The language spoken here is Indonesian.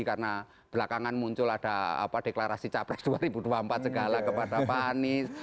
karena belakangan muncul ada deklarasi capres dua ribu dua puluh empat segala kepada pak anies